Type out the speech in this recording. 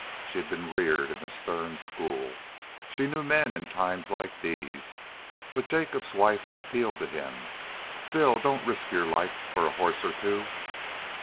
She had been reared in a stern school. She knew men in times like these. But Jacobs's wife appealed to him, "Bill, don't risk your life for a horse or two."